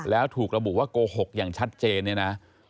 แล้วถูกระบุว่าโกหกอย่างชัดเจน